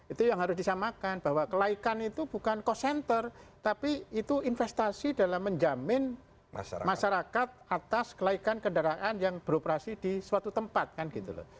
itu yang harus disamakan bahwa kelaikan itu bukan cost center tapi itu investasi dalam menjamin masyarakat atas kelaikan kendaraan yang beroperasi di suatu tempat kan gitu loh